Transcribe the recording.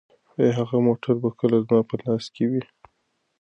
ایا هغه موټر به کله زما په لاس کې وي؟